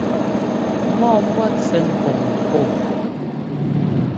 Mɔ́ɔ mbɔ́t sɛ́ ŋ́kɔ́ŋ ŋkɔɔ.